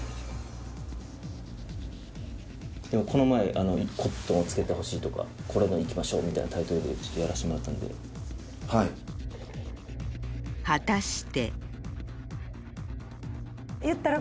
この前コットンを付けてほしいとかこれでいきましょうみたいなタイトルでやらせてもらったんではい果たして言ったら？